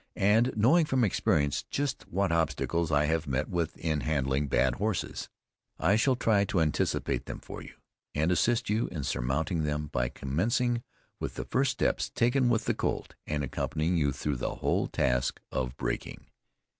And knowing from experience just what obstacles I have met with in handling bad horses, I shall try to anticipate them for you, and assist you in surmounting them, by commencing with the first steps taken with the colt, and accompanying you through the whole task of breaking.